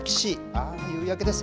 あー、夕焼けです。